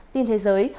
tin thế giới